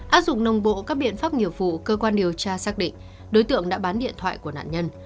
áp dụng nồng bộ các biện pháp nghiệp vụ cơ quan điều tra xác định đối tượng đã bán điện thoại của nạn nhân